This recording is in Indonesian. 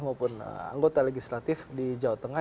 maupun anggota legislatif di jawa tengah